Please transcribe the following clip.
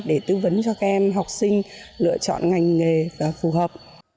để tư vấn cho các em học sinh lựa chọn ngành nghề phù hợp